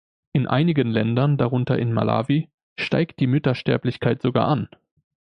In einigen Ländern, darunter in Malawi, steigt die Müttersterblichkeit sogar an.